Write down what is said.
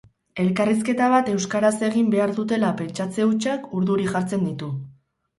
Elkarrizketa bat euskaraz egin behar dutela pentsatze hutsak urduri jartzen ditu.